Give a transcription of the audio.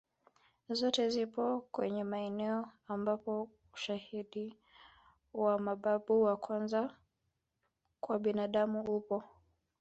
Zote zipo kwenye maeneo ambapo ushaidi wa mababu wa kwanza kwa binadamu upo